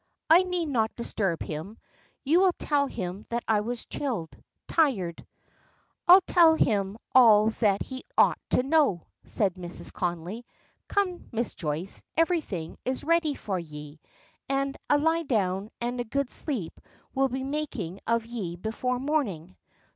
"I need not disturb him. You will tell him that I was chilled tired." "I'll tell him all that he ought to know," says Mrs. Connolly. "Come, Miss Joyce, everything, is ready for ye. An' a lie down and a good sleep will be the makin' of ye before morning."